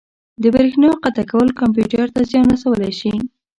د بریښنا قطع کول کمپیوټر ته زیان رسولی شي.